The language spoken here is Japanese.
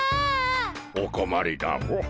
おこまりだモ。